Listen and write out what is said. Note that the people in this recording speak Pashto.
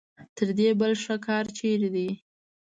تر دې بل ښه کار چېرته دی.